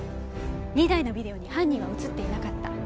２台のビデオに犯人は映っていなかった。